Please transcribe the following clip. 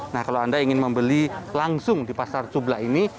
nah kalau anda ingin membeli langsung di pasar cubla ini